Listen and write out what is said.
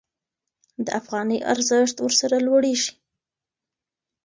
د افغانۍ ارزښت ورسره لوړېږي.